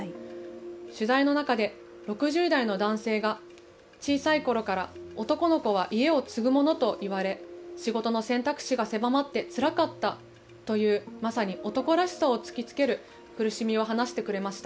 取材の中で６０代の男性が小さいころから男の子は家を継ぐものと言われ仕事の選択肢が狭まってつらかったというまさに男らしさを突きつける苦しみを話してくれました。